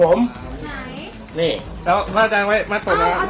มัดผมใครค่ะอันนี้อันนี้ของผมไหนนี่เอ้ามัดไว้มัดปล่อยไหม